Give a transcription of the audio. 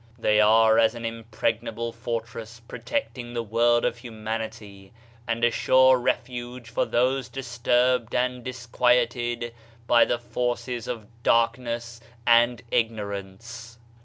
They are as an impregnable fortress protecting the world of hu manity, and a sure refuge for those disturbed and disquieted by the forces of darkness and ignorance.